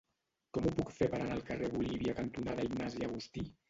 Com ho puc fer per anar al carrer Bolívia cantonada Ignasi Agustí?